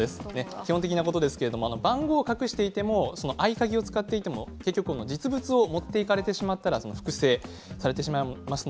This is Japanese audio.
基本的なことですけれど番号を隠していても合鍵を使っていても結局、実物を持っていかれたら複製されてしまいます。